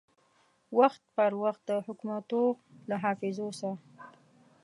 وخت پر وخت د حکومتو له حافظو سه